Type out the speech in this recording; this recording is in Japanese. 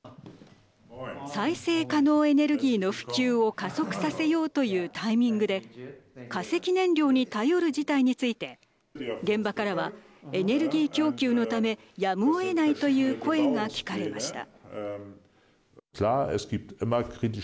再生可能エネルギーの普及を加速させようというタイミングで化石燃料に頼る事態について現場からはエネルギー供給のためやむをえないという声が聞かれました。